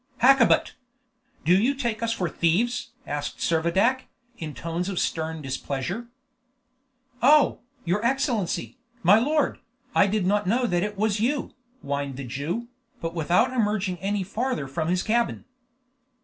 "Hakkabut! do you take us for thieves?" asked Servadac, in tones of stern displeasure. "Oh, your Excellency, my lord, I did not know that it was you," whined the Jew, but without emerging any farther from his cabin.